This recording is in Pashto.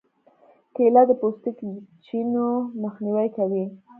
کېله د پوستکي د چینو مخنیوی کوي.